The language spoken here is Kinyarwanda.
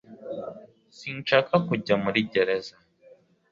Sinshaka kujya muri gereza